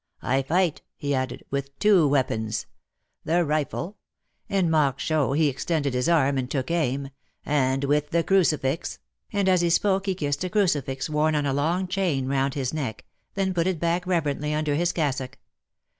I fight," he added, with two weapons — the rifle "— in mock show he extended his arm and took aim — "and with the crucifix," and as he spoke he kissed a crucifix worn on a long chain round his neck, then put it back rever ently under his cassock.